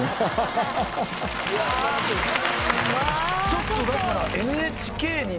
ちょっとだから。